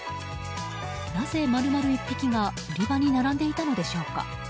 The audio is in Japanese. なぜ丸々１匹が売り場に並んでいたのでしょうか。